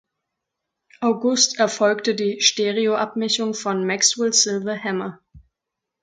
August erfolgte die Stereoabmischung von "Maxwell’s Silver Hammer".